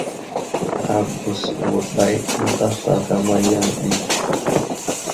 Agùs wùdày ənta slakama yaŋ ɗi.